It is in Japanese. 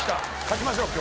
勝ちましょう。